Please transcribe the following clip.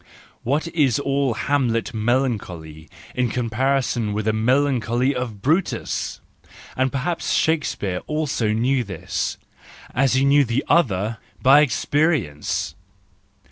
What is all Hamlet melancholy in comparison with the melancholy of Brutus!— and perhaps Shakespeare also knew this, as he knew the other, by experience!